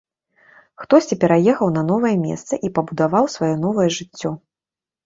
Хтосьці пераехаў на новае месца і пабудаваў сваё новае жыццё.